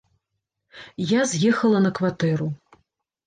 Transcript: Я з'ехала на кватэру.